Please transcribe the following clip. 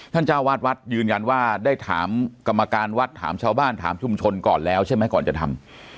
เจ้าวาดวัดยืนยันว่าได้ถามกรรมการวัดถามชาวบ้านถามชุมชนก่อนแล้วใช่ไหมก่อนจะทำ